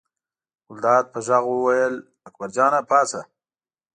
ګلداد په غږ وویل اکبر جانه پاڅه.